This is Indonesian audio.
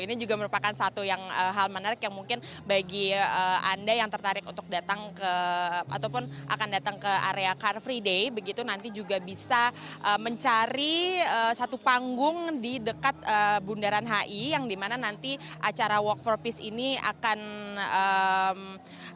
ini juga merupakan satu hal menarik yang mungkin bagi anda yang tertarik untuk datang ke ataupun akan datang ke area car free day begitu nanti juga bisa mencari satu panggung di dekat bundaran hi yang dimana nanti acara walk for peace ini akan berhasil